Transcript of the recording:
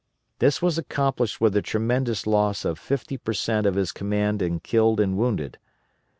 This was accomplished with the tremendous loss of fifty per cent. of his command in killed and wounded.